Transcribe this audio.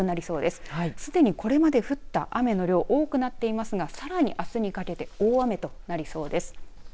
すでに、これまで降った雨の量多くなっていますがさらに、あすにかけて大雨となりそうです。